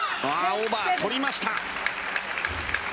オーバー、取りました。